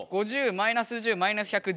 ５０マイナス１０マイナス１００１０。